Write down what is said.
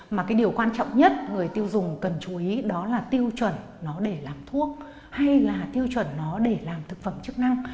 mà cái điều quan trọng nhất người tiêu dùng cần chú ý đó là tiêu chuẩn nó để làm thuốc hay là tiêu chuẩn nó để làm thực phẩm chức năng